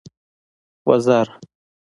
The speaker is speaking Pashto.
وزر.